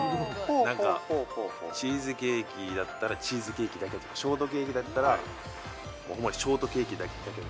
なんか、チーズケーキだったらチーズケーキだけとか、ショートケーキだったら、もう主にショートケーキだけの。